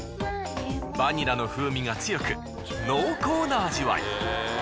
バニラの風味が強く濃厚な味わい。